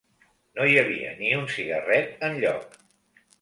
No hi havia ni un cigarret enlloc